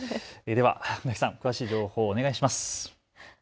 では船木さん詳しい情報、お願いします。